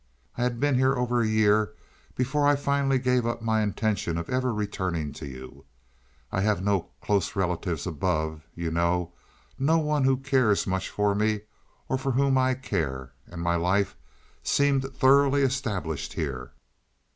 "I had been here over a year before I finally gave up my intention of ever returning to you. I have no close relatives above, you know, no one who cares much for me or for whom I care, and my life seemed thoroughly established here.